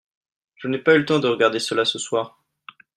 je n'ai pas eu le temps de regarder cela ce soir.